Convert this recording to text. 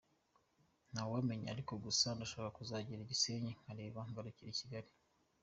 Ntawamenya ariko, gusa ndashaka kuzagera i Gisenyi nkareba, ngarukira i Kigali.